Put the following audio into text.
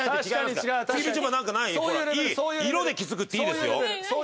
色で気付くって、いいですよ。